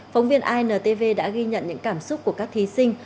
phóng viên intv đã ghi nhận những cảm xúc của các thí sinh